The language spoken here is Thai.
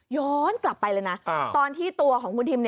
ย้อนกลับไปเลยนะตอนที่ตัวของคุณทิม